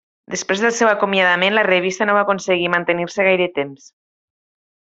Després del seu acomiadament la revista no va aconseguir mantenir-se gaire temps.